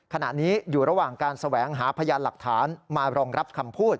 ขณะนี้อยู่ระหว่างการแสวงหาพยานหลักฐานมารองรับคำพูด